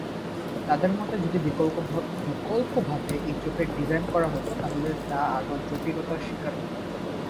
তাদের মতে যদি বিকল্পভাবে এই চোখের ডিজাইন করা হত, তাহলে তা আরো জটিলতার স্বীকার হত।